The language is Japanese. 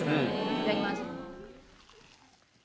いただきます。